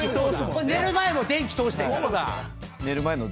寝る前も電気通してるから。